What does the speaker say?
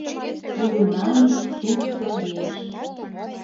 Улына ме суксо еш